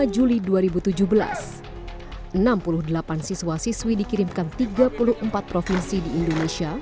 dua puluh juli dua ribu tujuh belas enam puluh delapan siswa siswi dikirimkan tiga puluh empat provinsi di indonesia